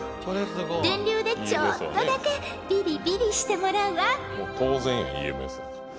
［電流でちょっとだけびりびりしてもらうわ］